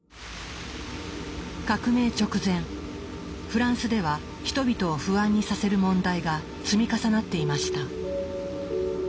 革命直前フランスでは人々を不安にさせる問題が積み重なっていました。